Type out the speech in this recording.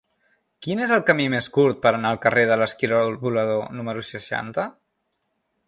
Quin és el camí més curt per anar al carrer de l'Esquirol Volador número seixanta?